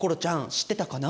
知ってたかな？